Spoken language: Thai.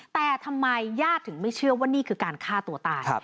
แต่ทำไมญาติถึงไม่เชื่อว่านี่คือการฆ่าตัวตาย